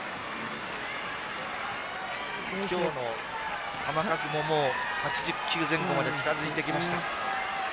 今日の球数ももう８０球前後まで近付いてきました。